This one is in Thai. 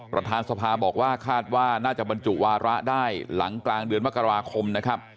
ประธานสภาบอกว่าคาดว่าน่าจะบรรจุวาระได้หลังกลางเดือนมกราคมนะครับ